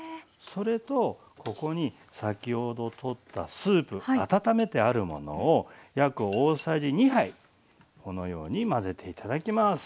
それとここに先ほどとったスープ温めてあるものを約大さじ２杯このように混ぜて頂きます。